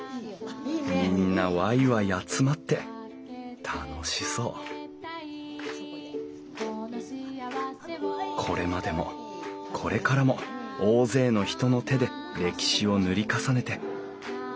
みんなワイワイ集まって楽しそうこれまでもこれからも大勢の人の手で歴史を塗り重ねて。